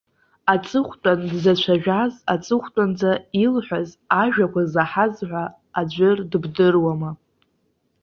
Аҵыхәтәан дзацәажәаз, аҵыхәтәанӡа илҳәаз ажәақәа заҳаз ҳәа аӡәыр дыбдыруама?